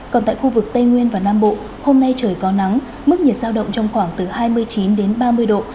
còn tại khu vực tây nguyên và nam bộ hôm nay trời có nắng mức nhiệt sao động trong khoảng từ hai mươi chín đến ba mươi độ